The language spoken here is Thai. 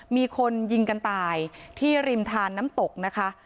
มีคนยิงกันตายที่ริมทานน้ำตกนะคะ